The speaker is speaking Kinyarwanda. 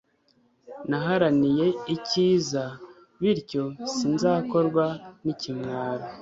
naharaniye icyiza, bityo sinzakorwa n'ikimwaro